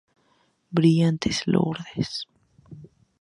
Brillantes, Lourdes.